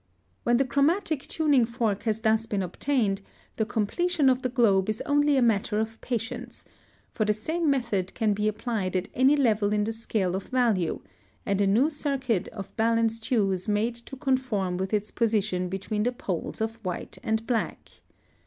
+ (118) When the chromatic tuning fork has thus been obtained, the completion of the globe is only a matter of patience, for the same method can be applied at any level in the scale of value, and a new circuit of balanced hues made to conform with its position between the poles of white and black.